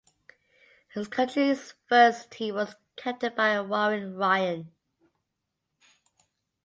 His Country Firsts team was captained by Warren Ryan.